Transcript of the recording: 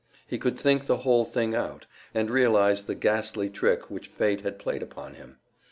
He could think the whole thing out, and realize the ghastly trick which fate had played upon him.